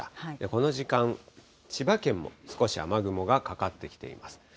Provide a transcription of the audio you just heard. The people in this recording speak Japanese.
この時間、千葉県も少し雨雲がかかってきています。